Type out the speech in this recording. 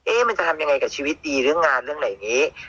มันจะทำยังไงกับชีวิตดีเรื่องงานเรื่องไหนนี้